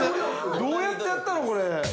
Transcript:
どうやってやったの、これ。